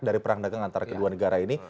dari perang dagang antara kedua negara ini